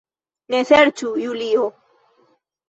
Ne ŝercu, Julio.